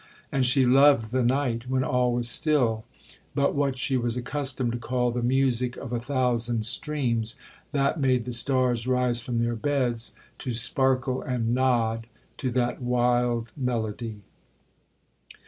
And she loved the night, when all was still, but what she was accustomed to call the music of a thousand streams, that made the stars rise from their beds, to sparkle and nod to that wild melody.